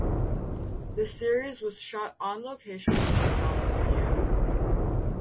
The series was shot on location within California.